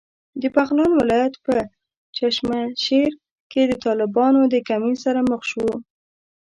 د بغلان ولایت په چشمشېر کې د طالبانو د کمین سره مخ شوو.